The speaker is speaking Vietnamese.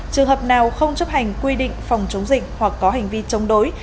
trường hợp nào không chấp hành quy định phòng chống dịch hoặc có hành vi chống đối